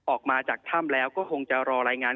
ออกมาจากถ้ำแล้วก็คงจะรอรายงาน